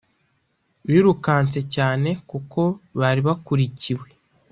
birukanse cyane kuko bari bakurikiwe